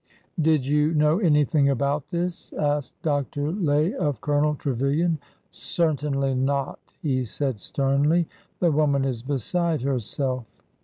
Did you know anything about this ?" asked Dr. Lay of Colonel Trevilian. Certainly not ! he said sternly. The woman is be side herself